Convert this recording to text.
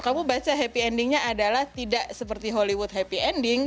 kamu baca happy endingnya adalah tidak seperti hollywood happy ending